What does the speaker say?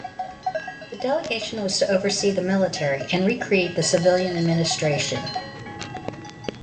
The Delegation was to oversee the military, and recreate the civilian administration.